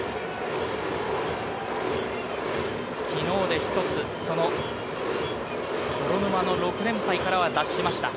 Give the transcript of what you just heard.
昨日で一つ泥沼の６連敗からは脱しました。